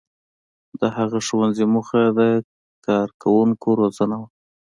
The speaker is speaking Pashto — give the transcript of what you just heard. • د هغه ښوونځي موخه د کارکوونکو روزنه وه.